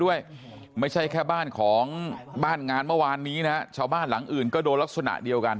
ด้วยไม่ใช่แค่บ้านของบ้านงานเมื่อวานนี้นะชาวบ้านหลังอื่นก็โดนลักษณะเดียวกัน